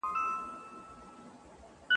سمدستي به ټولي سر سوې په خوړلو ..